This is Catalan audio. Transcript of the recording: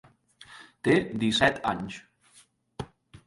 Té disset anys.